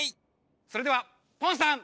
それではポンさん！